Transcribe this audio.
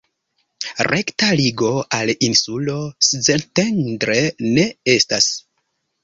Rekta ligo al insulo Szentendre ne estas.